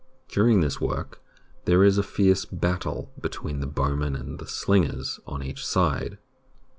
During this work there is a fierce battle between the bowmen and the slingers on each side.